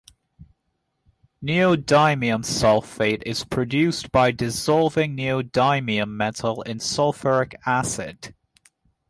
Neodymium sulfate is produced by dissolving neodymium metal in sulfuric acid.